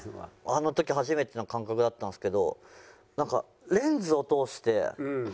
あの時初めての感覚だったんですけどなんかレンズを通して目が合ったんですよ。